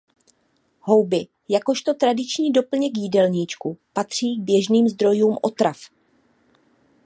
Houby jakožto tradiční doplněk jídelníčku patří k běžným zdrojům otrav.